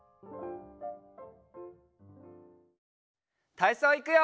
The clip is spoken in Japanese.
たいそういくよ！